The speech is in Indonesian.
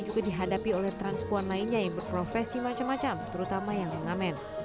juga dihadapi oleh transpuan lainnya yang berprofesi macam macam terutama yang mengamen